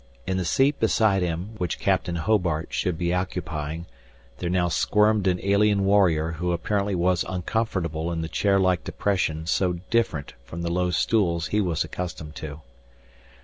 In the seat beside him, which Captain Hobart should be occupying, there now squirmed an alien warrior who apparently was uncomfortable in the chair like depression so different from the low stools he was accustomed to.